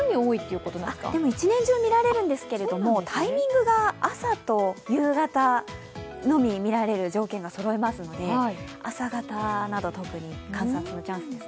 一年中見られるんですがタイミングが朝と夕方のみ見られる条件がそろいますので朝方など、特に観察できるんです。